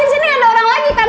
di sini ada orang lagi kan